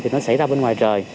thì nó xảy ra bên ngoài trời